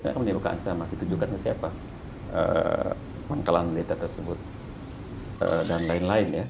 itu juga menunjukkan siapa pangkalan militer tersebut dan lain lain ya